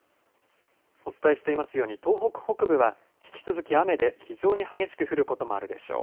お伝えしていますように東北北部は引き続き雨で非常に激しく降ることもあるでしょう。